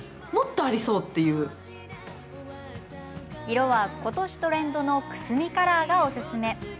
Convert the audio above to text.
色は、今年トレンドのくすみカラーがおすすめ。